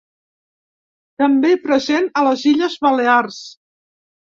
També present a les Illes Balears.